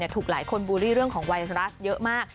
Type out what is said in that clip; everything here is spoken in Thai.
ถูกหลายคนบูลลี่เรื่องของไวรัสเยอะมาก